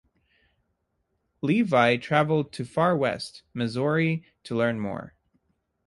Levi traveled to Far West, Missouri to learn more.